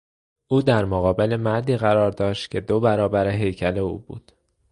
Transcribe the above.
او در مقابل مردی قرار داشت که دو برابر هیکل او بود.